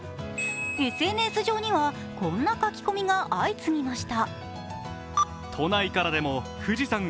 ＳＮＳ上にはこんな書き込みが相次ぎました。